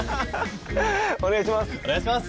お願いします